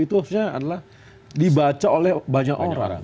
itu harusnya adalah dibaca oleh banyak orang